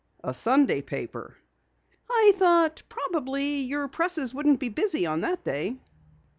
"A Sunday paper?" "I thought probably your presses wouldn't be busy on that day."